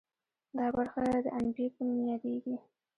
دا برخه د عنبیې په نوم یادیږي.